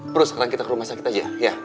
perlu sekarang kita ke rumah sakit aja ya